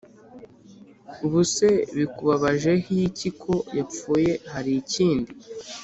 ubuse bikubabaje hiki ko yapfuye harikindi?"